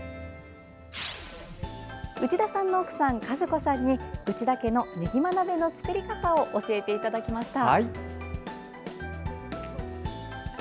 内田さんの奥さん、和子さんに内田家のねぎま鍋の作り方を教えていただきました。